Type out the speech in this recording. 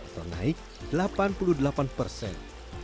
atau naik delapan puluh delapan persen